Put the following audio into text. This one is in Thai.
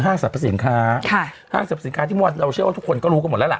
สรรพสินค้าค่ะห้างสรรพสินค้าที่เมื่อวานเราเชื่อว่าทุกคนก็รู้กันหมดแล้วล่ะ